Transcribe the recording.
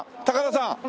高田さん！